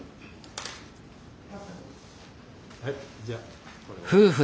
はいじゃあこれを。